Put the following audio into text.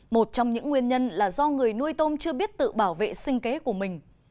một trong những nguyên nhân là do người nuôi tôm chưa biết tự bảo vệ sinh kế của mình